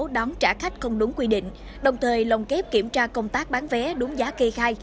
đón trả khách không đúng quy định đồng thời lồng kép kiểm tra công tác bán vé đúng giá kê khai